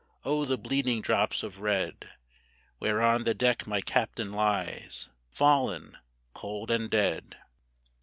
O the bleeding drops of red, Where on the deck my Captain lies, Fallen cold and dead.